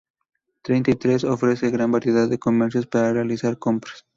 Treinta y Tres, ofrece gran variedad de comercios para realizar compras.